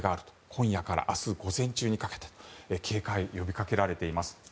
今夜から明日午前中にかけて警戒が呼びかけられています。